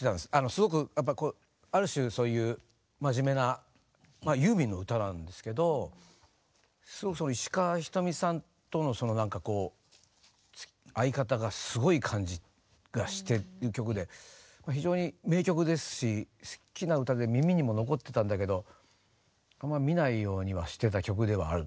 すごくやっぱこうある種そういう真面目なユーミンの歌なんですけど石川ひとみさんとのなんかこう合い方がすごい感じがしてる曲で非常に名曲ですし好きな歌で耳にも残ってたんだけどあんま見ないようにはしてた曲ではある。